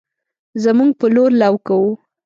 زمونږ په لور لو کوو